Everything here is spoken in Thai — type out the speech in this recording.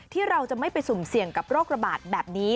ที่เราจะไม่ไปสุ่มเสี่ยงกับโรคระบาดแบบนี้